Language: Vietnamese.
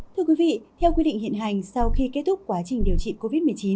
thưa quý vị theo quy định hiện hành sau khi kết thúc quá trình điều trị covid một mươi chín